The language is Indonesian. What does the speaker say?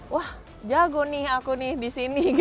wah jago nih aku nih di sini